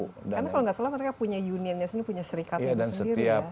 karena kalau nggak salah mereka punya unionnya sendiri punya serikatnya sendiri ya